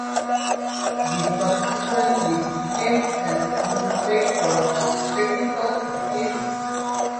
She subsequently became an inspector of technical education.